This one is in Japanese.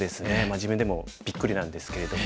自分でもびっくりなんですけれども。